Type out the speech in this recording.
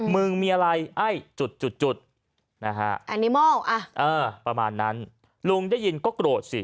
มึงมีอะไรไอ้จุดจุดนะฮะอันนี้มัลประมาณนั้นลุงได้ยินก็โกรธสิ